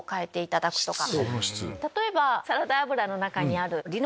例えば。